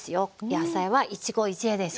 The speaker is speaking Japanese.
野菜は一期一会ですから。